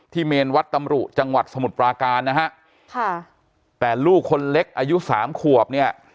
เมนวัดตำรุจังหวัดสมุทรปราการนะฮะค่ะแต่ลูกคนเล็กอายุสามขวบเนี่ย